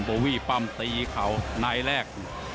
โบวี่ปั้มตีเข่าในแรก